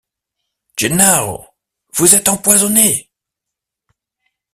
Gennaro! — Vous êtes empoisonné !